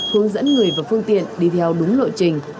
hướng dẫn người và phương tiện đi theo đúng lộ trình